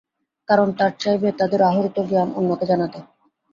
কারণ তার চাইবে, তাদের আহরিত জ্ঞান অন্যকে জানাতে।